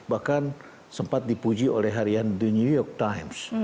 bahkan sempat dipuji oleh harian the new york times